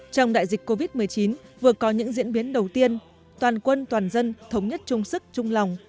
trong đại dịch covid một mươi chín vừa có những diễn biến đầu tiên toàn quân toàn dân thống nhất chung sức chung lòng